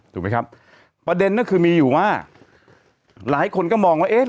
ถูกไหมครับประเด็นก็คือมีอยู่ว่าหลายคนก็มองว่าเอ๊ะ